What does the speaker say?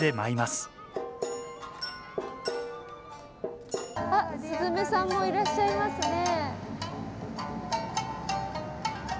すずめさんもいらっしゃいますね。